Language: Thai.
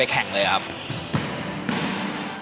ค่อยสอนเราอะไรเราก็พัฒนาขึ้นมาครับ